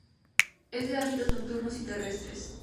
Es de hábitos nocturnos y terrestres.